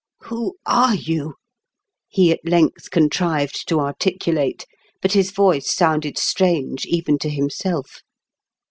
" Who are you ?" he at length contrived to articulate, but his voice sounded strange even to himself.